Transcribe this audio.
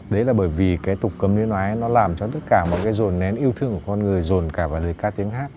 đấy là bởi vì tục cấm lý nói nó làm cho tất cả mọi dồn nén yêu thương của con người dồn cả vào lời ca tiếng hát